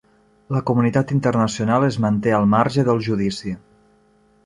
La comunitat internacional es manté al marge del judici